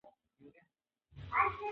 شاه عباس به ډېر لږ خواړه خوړل.